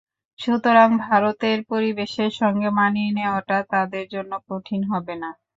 সুতরাং ভারতের পরিবেশের সঙ্গে মানিয়ে নেওয়াটা তাদের জন্য কঠিন হবে না।